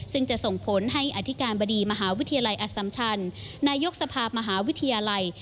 ซึ่งจะส่งผลให้อธิการบดีมหาวิทยาลัยอสัมชันนายกสภาพมหาวิทยาลัย